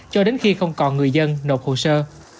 cho đến khi không còn người dân nộp hồ sơ